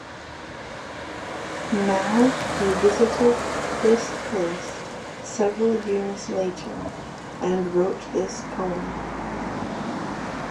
Mao revisited this place several years later and wrote this poem.